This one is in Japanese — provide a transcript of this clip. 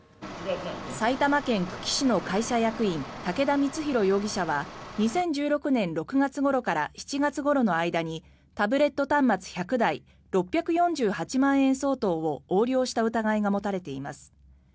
埼玉県久喜市の会社役員竹田光祐容疑者は２０１６年６月ごろから７月ごろの間にタブレット端末１００台６４８万円相当を横領した疑いが持たれています。